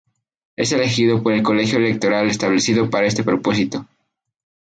Es elegido por el colegio electoral establecido para este propósito.